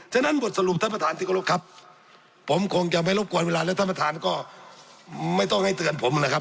ฉะนั้นบทสรุปท่านประธานที่กรบครับผมคงจะไม่รบกวนเวลาแล้วท่านประธานก็ไม่ต้องให้เตือนผมนะครับ